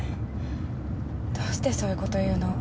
どうしてそういうこと言うの？